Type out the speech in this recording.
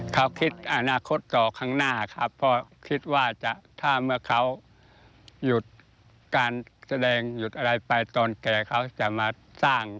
เขาคิดอนาคตต่อข้างหน้าครับเพราะคิดว่าจะถ้าเมื่อเขาหยุดการแสดงหยุดอะไรไปตอนแก่เขาจะมาสร้าง